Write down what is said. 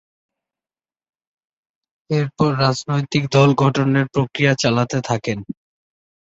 এরপর রাজনৈতিক দল গঠনের প্রক্রিয়া চালাতে থাকেন।